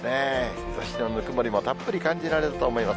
日ざしのぬくもりもたっぷり感じられると思います。